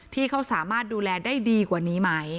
ที่เขาสามารถดูแลได้ดีกว่านี้ไหม